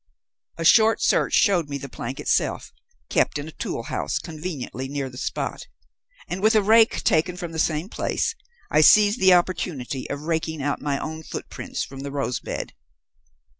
A short search showed me the plank itself, kept in a tool house conveniently near the spot, and, with a rake taken from the same place, I seized the opportunity of raking out my own footmarks from the rose bed.